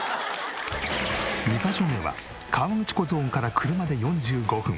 ２カ所目は河口湖ゾーンから車で４５分。